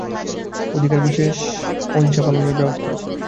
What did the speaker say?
অধিকারিবিশেষে হিংসা ও অধিকারিবিশেষে অহিংসা-ধর্মপালনের ব্যবস্থা আছে।